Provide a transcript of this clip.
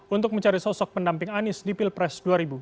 untuk mencari sosok pendamping anies di pilpres dua ribu dua puluh